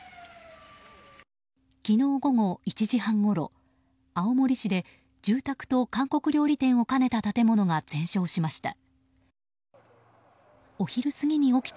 昨日午後１時半ごろ、青森市で住宅と韓国料理店を兼ねた建物が全焼しました。